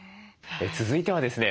続いてはですね